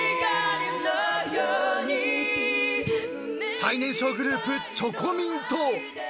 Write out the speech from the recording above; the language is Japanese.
［最年少グループチョコミン党］